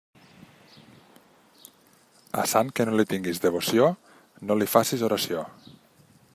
A sant que no li tinguis devoció, no li facis oració.